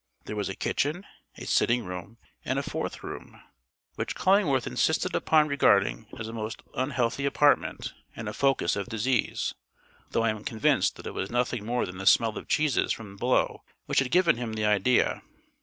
There was a kitchen, a bedroom, a sitting room, and a fourth room, which Cullingworth insisted upon regarding as a most unhealthy apartment and a focus of disease, though I am convinced that it was nothing more than the smell of cheeses from below which had given him the idea.